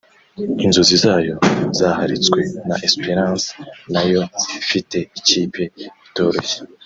inzozi zayo zaharitswe na Esperance nayo ifite ikipe itoroshye